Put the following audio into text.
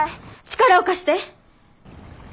力を貸して。